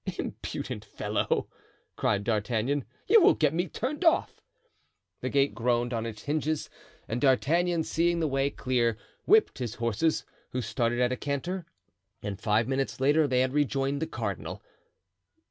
"Impudent fellow!" cried D'Artagnan, "you will get me turned off." The gate groaned on its hinges, and D'Artagnan, seeing the way clear, whipped his horses, who started at a canter, and five minutes later they had rejoined the cardinal.